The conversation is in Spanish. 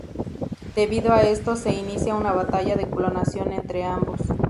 Debido a esto se inicia una batalla de clonación entre ambos.